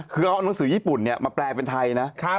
คือเอานังสือญี่ปุ่นมาแปลเป็นไทยนะ